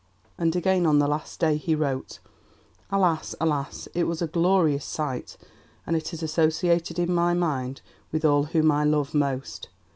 And again on the last day he wrote: "Alas! alas! it was a glorious sight; and it is associated in my mind with all whom I love most.